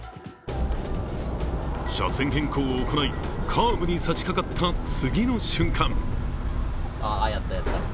車線変更を行い、カーブに差しかかった次の瞬間